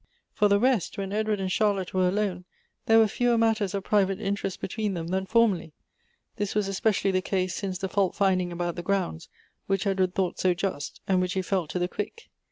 For the rest, when Edward and Charlotte were alone. Elective Affinities. 27 there were fewer matters of private interest between them than foiTOevly. This was especially the case since the fault finding about the grounds, which Edward thought so just, and which he felt to the quick.